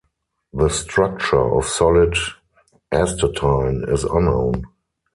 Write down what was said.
The structure of solid astatine is unknown.